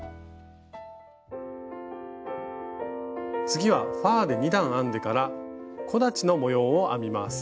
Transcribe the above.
次はファーで２段編んでから木立の模様を編みます。